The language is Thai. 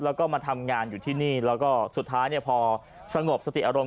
แล้วก็มาทำงานอยู่ที่นี่แล้วก็สุดท้ายเนี่ยพอสงบสติอารมณ์